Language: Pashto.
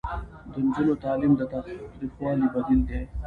د نجونو تعلیم د تاوتریخوالي بدیل دی.